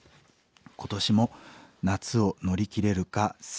今年も夏を乗り切れるか切実です」。